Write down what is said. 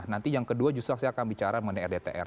nanti yang kedua justru saya akan bicara mengenai rdtr